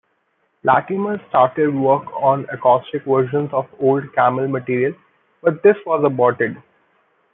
Latimer started work on acoustic versions of old Camel material, but this was aborted.